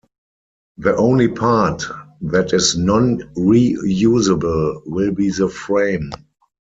The only part that is non-reusable will be the frame.